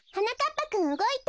ぱくんうごいた。